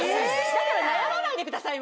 だから悩まないでください